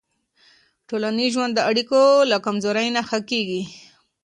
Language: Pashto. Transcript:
ټولنیز ژوند د اړیکو له کمزورۍ نه ښه کېږي.